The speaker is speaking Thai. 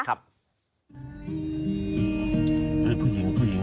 เฮ้ยผู้หญิงผู้หญิงผู้หญิง